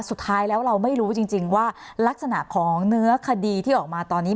สุดท้ายแล้วเราไม่รู้จริงว่าลักษณะของเนื้อคดีที่ออกมาตอนนี้